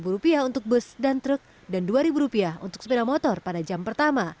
rp lima untuk bus dan truk dan rp dua untuk sepeda motor pada jam pertama